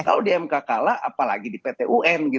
kalau tidak apa lagi di pt un